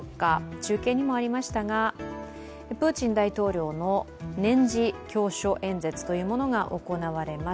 中継にもありましたが、プーチン大統領の年次教書演説が行われます。